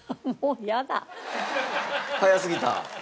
早すぎた？